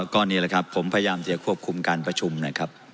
ก็นี่แหละครับผมพยายามจะควบคุมการประชุมนะครับ